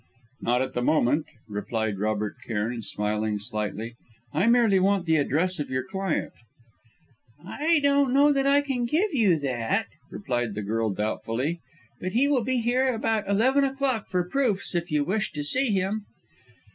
"Not at the moment," replied Robert Cairn, smiling slightly. "I merely want the address of your client." "I do not know that I can give you that," replied the girl doubtfully, "but he will be here about eleven o'clock for proofs, if you wish to see him."